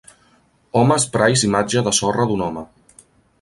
home esprais imatge de sorra d'un home